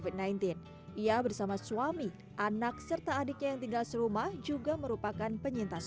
dia bersama suami anak serta adiknya yang tinggal serumah juga merupakan penyintas